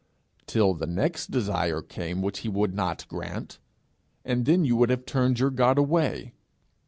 Till the next desire came which he would not grant, and then you would have turned your God away.